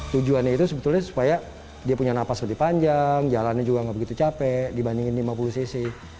tujuannya itu sebetulnya supaya dia punya nafas lebih panjang jalannya juga nggak begitu capek dibandingin lima puluh cc